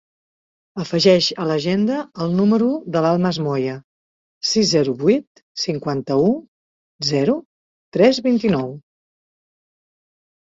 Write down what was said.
Afegeix a l'agenda el número de l'Almas Moya: sis, zero, vuit, cinquanta-u, zero, tres, vint-i-nou.